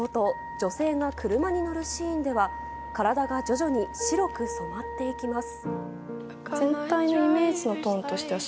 女性が車に乗るシーンでは体が徐々に白く染まっていきます。